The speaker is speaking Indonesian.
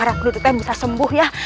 harap kududukmu bisa sembuh ya